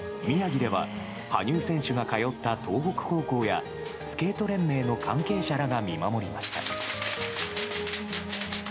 宮城では、羽生選手が通った東北高校や、スケート連盟の関係者らが見守りました。